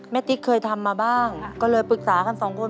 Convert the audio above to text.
ติ๊กเคยทำมาบ้างก็เลยปรึกษากันสองคน